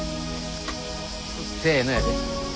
せのやで。